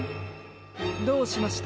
どうしました？